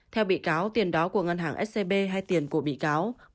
theo bị cáo tiền đó của ngân hàng scb hay tiền của bị cáo